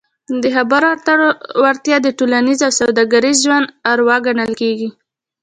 د خبرو اترو وړتیا د ټولنیز او سوداګریز ژوند اروا ګڼل کیږي.